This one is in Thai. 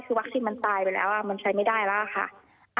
คือวัคซีนมันตายไปแล้วมันใช้ไม่ได้แล้วค่ะ